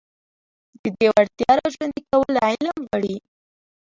د دې وړتيا راژوندي کول علم غواړي.